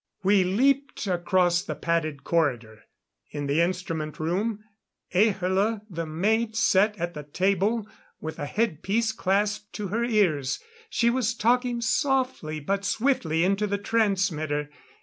We leaped across the padded corridor. In the instrument room, Ahla the maid sat at the table with a head piece clasped to her ears. She was talking softly but swiftly into the transmitter.